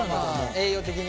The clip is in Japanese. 栄養的にね。